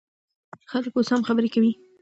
خلک اوس هم خبرې کوي.